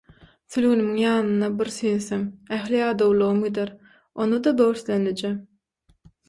– Sülgünimiň ýanynda bir süýnsem, ähli ýadawlygym gider, onda-da böwürslenlije.